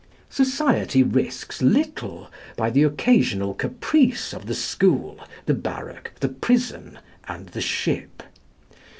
Society risks little by the occasional caprice of the school, the barrack, the prison, and the ship.